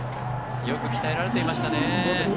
よく鍛えられていましたね。